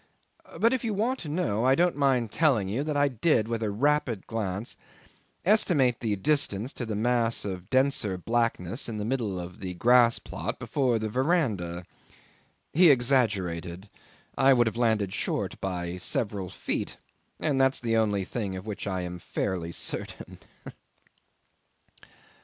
But if you want to know I don't mind telling you that I did, with a rapid glance, estimate the distance to the mass of denser blackness in the middle of the grass plot before the verandah. He exaggerated. I would have landed short by several feet and that's the only thing of which I am fairly certain.